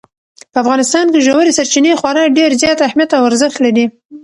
په افغانستان کې ژورې سرچینې خورا ډېر زیات اهمیت او ارزښت لري.